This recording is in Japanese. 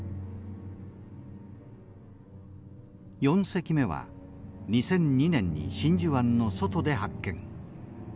４隻目は２００２年に真珠湾の外で発見。